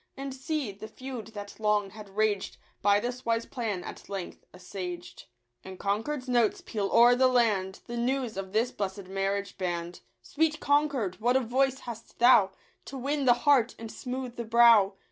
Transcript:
And, see, the feud that long had raged By this wise plan at length assuaged ; And Concord's notes peal o'er the land The news of this bless'd marriage band. Sweet Concord, what a voice hast thou To win the heart and smooth the brow